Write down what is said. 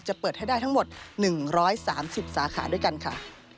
เปิดให้ได้ทั้งหมด๑๓๐สาขาด้วยกันค่ะ